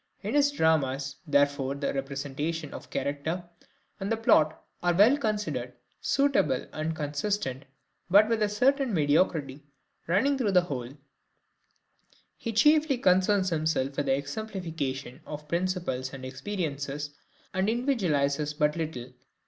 In his dramas, therefore, the representation of character and the plot are well considered, suitable, and consistent, but with a certain mediocrity running through the whole; he chiefly concerns himself with the exemplification of principles and experiences, and individualises but little.